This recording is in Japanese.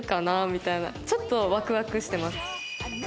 みたいなちょっとワクワクしてます。